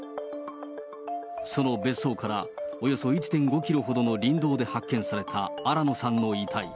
その別荘からおよそ１．５キロほどの林道で発見された新野さんの遺体。